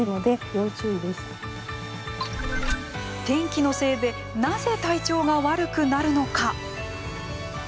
天気のせいでなぜ体調が悪くなるのか。